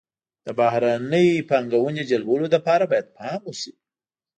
د بهرنۍ پانګونې جلبولو لپاره باید پام وشي.